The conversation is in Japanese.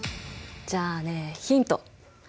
じゃあねヒント。